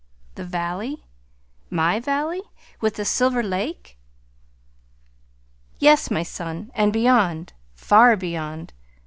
"The valley MY valley, with the Silver Lake?" "Yes, my son; and beyond far beyond."